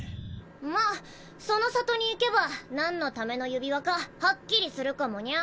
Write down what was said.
まっその里に行けばなんのための指輪かはっきりするかもニャ。